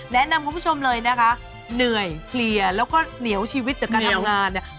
แนะนำคุณผู้ชมเลยนะคะเหนื่อยเคลียร์แล้วก็เหนียวชีวิตจากการทำงานเนี่ย